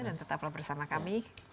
dan tetaplah bersama kami